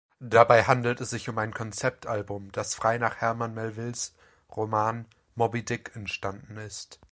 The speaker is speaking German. Dabei handelt es sich um ein Konzeptalbum, das frei nach Herman Melvilles Roman "Moby-Dick" entstanden ist.